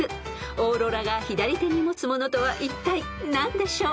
［オーロラが左手に持つものとはいったい何でしょう？］